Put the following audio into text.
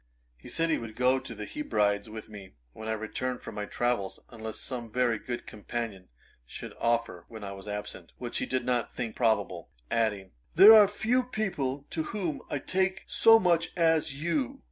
He said he would go to the Hebrides with me, when I returned from my travels, unless some very good companion should offer when I was absent, which he did not think probable; adding, 'There are few people to whom I take so much to as you.'